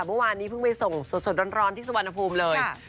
เมื่อวานนี้เพิ่งไปส่งสดร้อนที่สุวรรณภูมิเลย